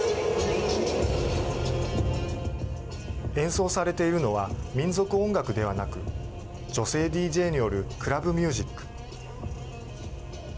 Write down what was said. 演奏されているのは民族音楽ではなく女性ＤＪによるクラブミュージック。